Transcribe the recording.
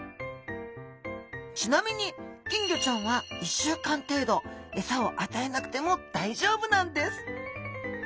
ちなみに金魚ちゃんは１週間程度エサを与えなくても大丈夫なんです。